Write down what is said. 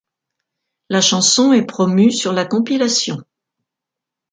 La chanson est promue sur la compilation '.